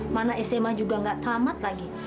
mana sma juga nggak tamat lagi